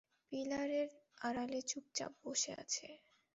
পিলারের আড়ালে চুপচাপ বসে আছে।